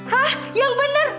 hah yang bener